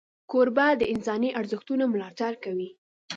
کوربه د انساني ارزښتونو ملاتړ کوي.